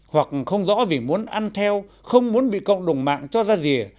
hoặc không rõ vì muốn ăn theo không muốn bị cộng đồng mạng cho ra rìa